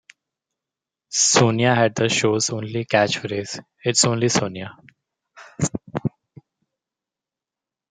Sonia had the show's only catchphrase: It's only Sonia!